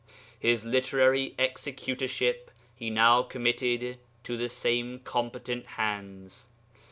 His literary executorship he now committed to the same competent hands.